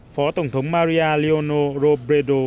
phó tổng thống maria leonor robredo